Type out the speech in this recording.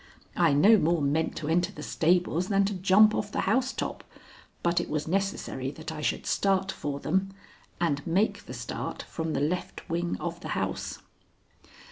I no more meant to enter the stables than to jump off the housetop, but it was necessary that I should start for them and make the start from the left wing of the house.